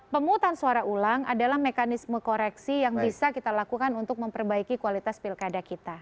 pemutusan suara ulang adalah mekanisme koreksi yang bisa kita lakukan untuk memperbaiki kualitas pilkada kita